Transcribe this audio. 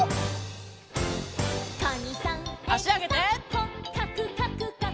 「こっかくかくかく」